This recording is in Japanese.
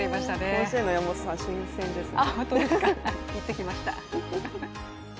甲子園の山本さん、新鮮ですね。